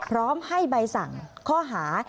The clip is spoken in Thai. พร้อมให้ใบสั่งข้อหา